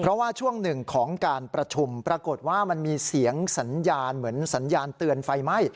เพราะว่าช่วงหนึ่งของการประชุมปรากฏว่ามันมีเสียงสัญญาณเหมือนสัญญาณเตือนไฟไหม้